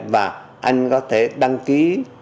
và anh có thể đăng ký